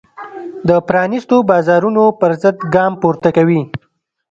د پرانیستو بازارونو پرضد ګام پورته کوي.